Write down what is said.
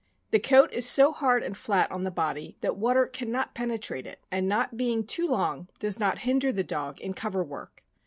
The coat is so hard and flat on the body that water can not penetrate it, and not being too long, does not hinder the dog in cover work.